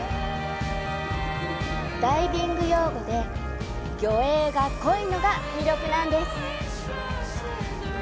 ダイビング用語で「魚影が濃い」のが魅力なんです。